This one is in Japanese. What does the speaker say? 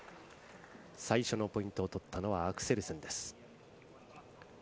最初のポイントを取ったのはアクセルセンです。